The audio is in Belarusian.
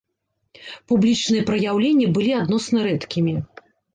Публічныя праяўленні былі адносна рэдкімі.